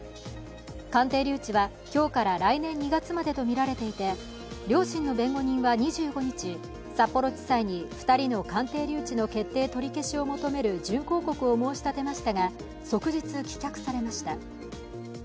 鑑定留置は今日から来年２月までとみられていて両親の弁護人は２５日、札幌地裁に２人の鑑定留置の決定取り消しを求める準抗告を申し立てましたが、即日棄却されました。